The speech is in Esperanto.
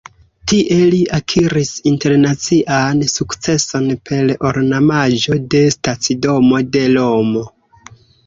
Tie li akiris internacian sukceson per ornamaĵo de stacidomo de Romo.